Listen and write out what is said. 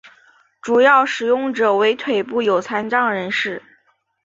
主要使用者为腿部有残障人士。